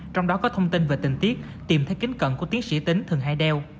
trong đó có thông tin về tình tiết tìm thấy kính cận của tiến sĩ tính thường hay đeo